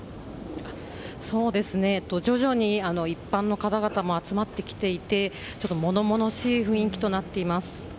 徐々に一般の方々も集まってきていてちょっと物々しい雰囲気となっています。